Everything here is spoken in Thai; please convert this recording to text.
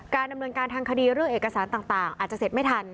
ดำเนินการทางคดีเรื่องเอกสารต่างอาจจะเสร็จไม่ทัน